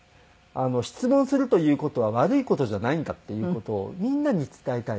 質問するという事は悪い事じゃないんだっていう事をみんなに伝えたい。